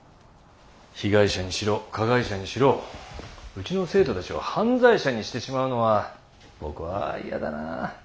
被害者にしろ加害者にしろうちの生徒たちを犯罪者にしてしまうのは僕はやだなあ。